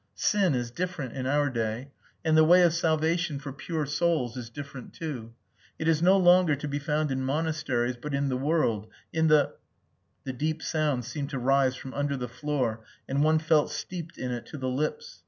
Sin is different in our day, and the way of salvation for pure souls is different too. It is no longer to be found in monasteries but in the world, in the..." The deep sound seemed to rise from under the floor, and one felt steeped in it to the lips.